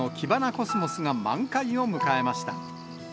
コスモスが満開を迎えました。